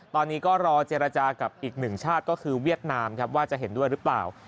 ตอนนี้ก็รอเจรจากับอีกหนึ่งชาติก็คือเวียดนามครับว่าจะเห็นด้วยหรือเปล่า